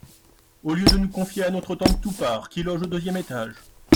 Au lieu de nous confier à notre tante TOUPART. qui loge au deuxième étage !